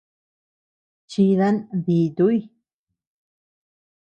Chidan dituuy.